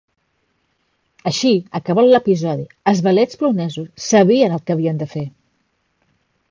Així, acabat l'episodi, els vailets polonesos sabien el que havien de fer!